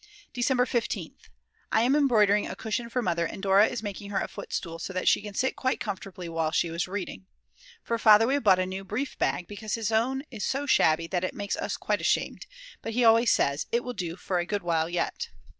December 15th. I am embroidering a cushion for Mother and Dora is making her a footstool so that she can sit quite comfortably when she is reading. For Father we have bought a new brief bag because his own is so shabby that it makes us quite ashamed; but he always says: "It will do for a good while yet."